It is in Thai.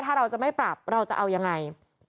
ถ้าเราจะไม่ปรับเราจะเอายังไง